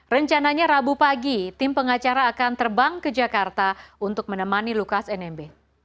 rencananya rabu pagi tim pengacara akan terbang ke jakarta untuk menemani lukas nmb